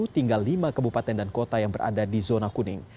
tinggal lima kebupaten dan kota yang berada di zona kuning